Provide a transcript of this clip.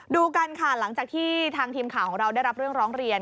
ดูกันค่ะหลังจากที่ทางทีมข่าวของเราได้รับเรื่องร้องเรียน